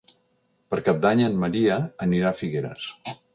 Per Cap d'Any en Maria anirà a Figueres.